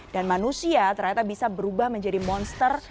dan manusia ternyata bisa berubah menjadi monster